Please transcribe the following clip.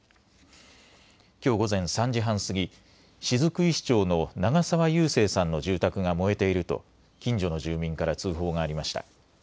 きょう午前３時半過ぎ、雫石町の長澤勇正さんの住宅が燃えていると近所の住民から通報がありました。